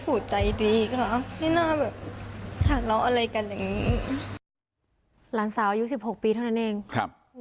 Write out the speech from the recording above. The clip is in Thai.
ประตู๓ครับ